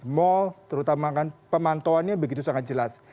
mall terutamakan pemantoannya begitu sangat jelas